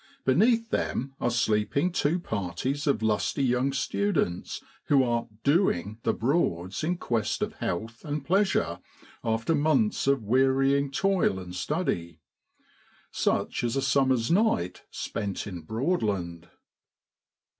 Beneath them are sleeping two parties of lusty young students, who are ' doing ' the Broads in quest of health and pleasure after months of wearying toil and study. Such is a summer's night spent in Broadland.